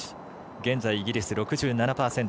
現在、イギリス６７％。